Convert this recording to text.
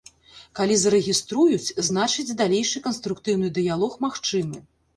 Калі зарэгіструюць, значыць далейшы канструктыўны дыялог магчымы.